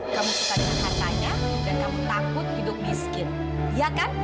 kamu suka dengan hartanya dan kamu takut hidup miskin iya kan